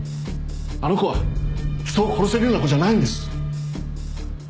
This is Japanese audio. あの子は人を殺せるような子じゃないんです！